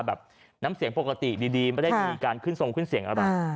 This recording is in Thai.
แบบน้ำเสียงปกติดีไม่ได้มีการขึ้นทรงขึ้นเสียงอะไร